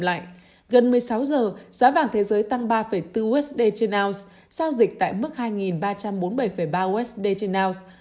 gần một mươi sáu giờ giá vàng thế giới tăng ba bốn usd trên ounce sao dịch tại mức hai ba trăm bốn mươi bảy ba usd trên ounce